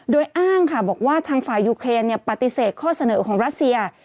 โดยอ้างค่ะบอกว่าทางฝ่ายยูเครนปฏิเสธข้อเสนอของรัสเซีย